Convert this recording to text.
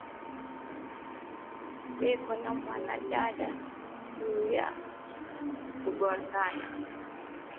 Beko na mwandama ju ana kongana na motoka